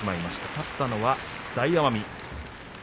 勝ったのは大奄美。